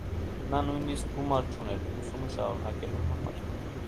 Նա նույնիսկ գումար չուներ ուսումը շարունակելու համար։